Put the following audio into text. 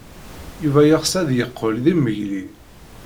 Yuba yeɣs ad yeqqel d imegli.